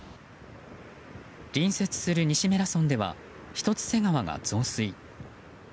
隣接する西米良村では一ツ瀬川が増水。